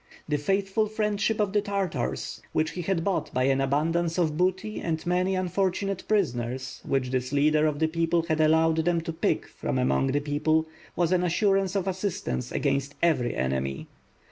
The faithful friendship of the Tartars, which he had bought by an abundance of booty and many unfortunate prisoners; which this leader of the people WITH FIRE AND SWORD. jgy had allowed them to pick from among the people^ was an as surance of assistance against every enemy.